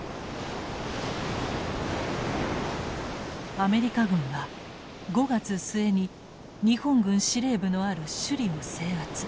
アメリカ軍は５月末に日本軍司令部のある首里を制圧。